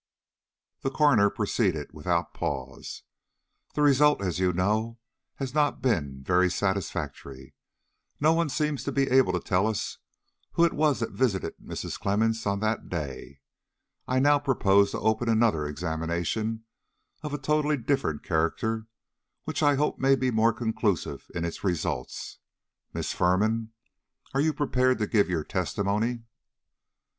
The coroner proceeded without pause. "The result, as you know, has not been satisfactory. No one seems to be able to tell us who it was that visited Mrs. Clemmens on that day. I now propose to open another examination of a totally different character, which I hope may be more conclusive in its results. Miss Firman, are you prepared to give your testimony?"